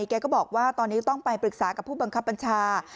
แกก็บอกว่าตอนนี้ต้องไปปรึกษากับผู้บังคับบัญชา